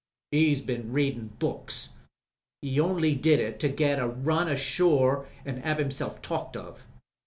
"He'd been readin' books. He only did it to get a run ashore an' have himself talked of.